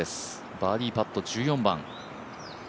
バーディーパット１４番。